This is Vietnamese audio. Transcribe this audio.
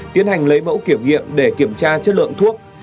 tiến hành lấy mẫu kiểm nghiệm để kiểm tra chất lượng thuốc